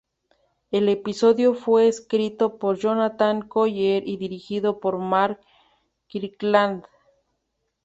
El episodio fue escrito por Jonathan Collier y dirigido por Mark Kirkland.